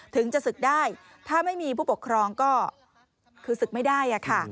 ถึงจะศึกได้ถ้าไม่มีผู้ปกครองก็คือศึกไม่ได้ค่ะ